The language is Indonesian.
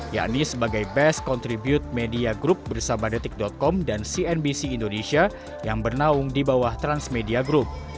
yakni sebagai best contribute media group bersama detik com dan cnbc indonesia yang bernaung di bawah transmedia group